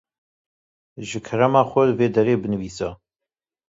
Ji kerema xwe li vê derê binivîse